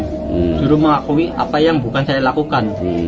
saya di rumah mengakui apa yang bukan saya lakukan